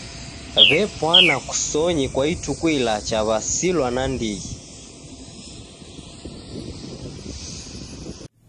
W'epwana kusonyi kwa ituku ilacha w'asilwa nandighi.